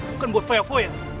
bukan buat foya foya